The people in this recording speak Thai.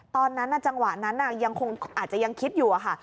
ตอนนั้นจังหวะนั้นอาจจะยังคิดอยู่ค่ะ